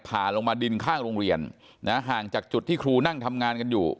ผ่าลงมาดินข้างโรงเรียนนะห่างจากจุดที่ครูนั่งทำงานกันอยู่